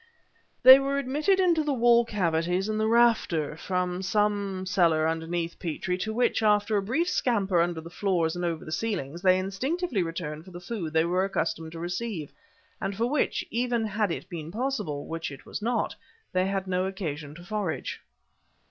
"They were admitted into the wall cavities and the rafters, from some cellar underneath, Petrie, to which, after a brief scamper under the floors and over the ceilings, they instinctively returned for the food they were accustomed to receive, and for which, even had it been possible (which it was not) they had no occasion to forage."